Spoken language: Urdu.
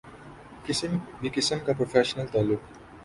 کسی بھی قسم کا پروفیشنل تعلق